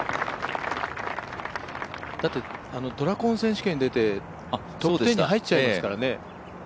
だってドラコン選手権出てトップ１０に入っちゃいますからね。